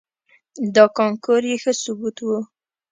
دا کانکور یې ښه ثبوت و.